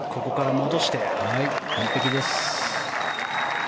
完璧です。